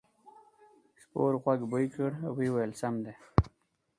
سپور غوږ بوی کړ او وویل سم دی.